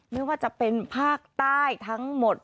ไม่ว่าจะเป็นภาคใต้ทั้งหมด